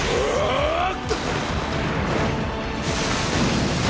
あっ！